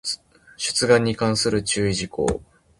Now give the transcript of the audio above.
出願に関する注意事項